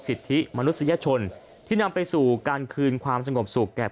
สิทธิมนุษยชนที่นำไปสู่การคืนความสงบสุขแก่